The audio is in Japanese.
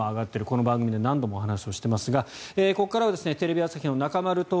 この番組で何度もお話をしていますがここからはテレビ朝日の中丸徹